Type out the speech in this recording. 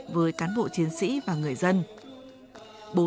và họ phải hy sinh rất là nhiều